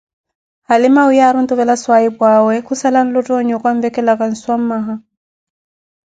halima wiiya âri ontuvela swahiphuʼawe, khussala anlotha onhoko anvekelaka nsuammaya